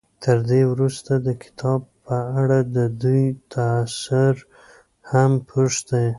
تر دې وروسته د کتاب په اړه د دوی تأثر هم پوښتئ.